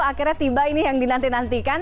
akhirnya tiba ini yang dinantikan